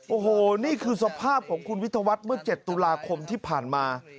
โอ้โหนี่คือสภาพของคุณวิทยาวัฒน์เมื่อ๗ตุลาคมที่ผ่านมา